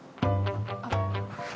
あっ。